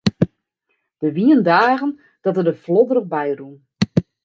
Der wiene dagen dat er der flodderich by rûn.